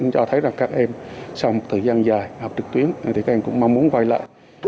các em sau một thời gian dài học trực tuyến thì các em cũng mong muốn quay lại